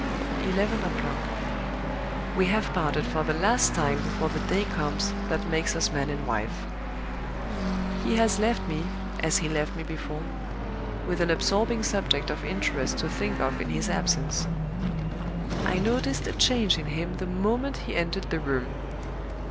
"Eleven o'clock. We have parted for the last time before the day comes that makes us man and wife. "He has left me, as he left me before, with an absorbing subject of interest to think of in his absence. I noticed a change in him the moment he entered the room.